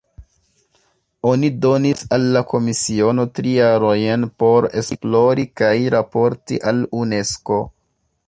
Oni donis al la komisiono tri jarojn por esplori kaj raporti al Unesko.